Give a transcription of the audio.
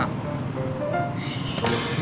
punggung kamu disetrika